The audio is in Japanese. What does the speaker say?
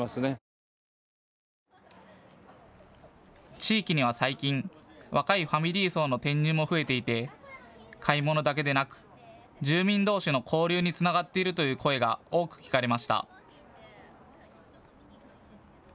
地域には最近、若いファミリー層の転入も増えていて、買い物だけでなく住民どうしの交流につながっているという声が多く聞かれました。